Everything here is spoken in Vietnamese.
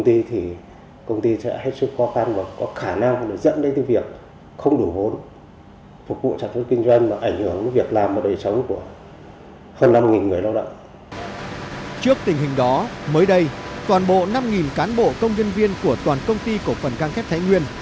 trước tình hình đó mới đây toàn bộ năm cán bộ công nhân viên của toàn công ty cổ phần cang thép thái nguyên